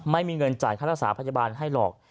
ไม่มีเงินจ่ายคัทรศาสตร์พจบาลให้หรอก